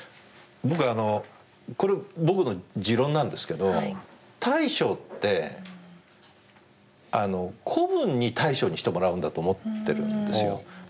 僕あのこれ僕の持論なんですけど大将って子分に大将にしてもらうんだと思ってるんですよ。